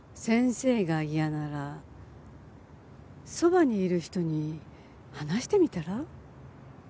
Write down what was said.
先生が嫌ならそばにいる人に話してみたら？